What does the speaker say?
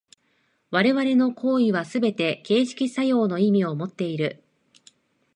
我々の行為はすべて形成作用の意味をもっている。